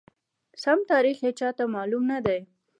سم تاریخ یې چاته معلوم ندی،